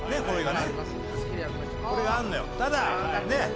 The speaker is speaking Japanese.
これがね